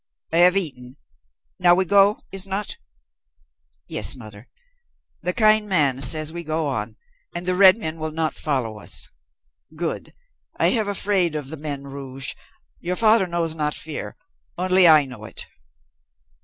"I have eaten. Now we go, is not?" "Yes, mother. The kind man says we go on, and the red men will not follow us." "Good. I have afraid of the men 'rouge.' Your father knows not fear; only I know it."